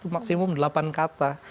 maksimum delapan kata